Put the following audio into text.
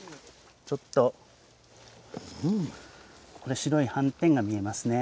ちょっとこれ白い斑点が見えますね。